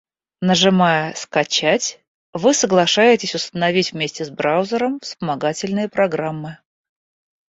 Нажимая "Скачать", вы соглашаетесь установить вместе с браузером вспомогательные программы.